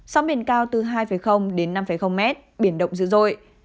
sóng biển cao từ hai đến năm mét biển động dữ dội